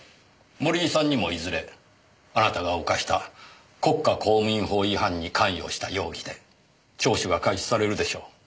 森井さんにもいずれあなたが犯した国家公務員法違反に関与した容疑で聴取が開始されるでしょう。